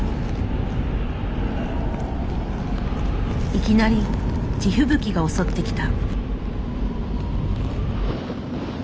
いきなり地吹雪が襲ってきた。